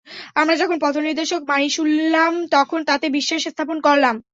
আমরা যখন পথ-নির্দেশক বাণী শুনলাম তখন তাতে বিশ্বাস স্থাপন করলাম।